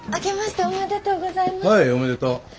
はいおめでとう。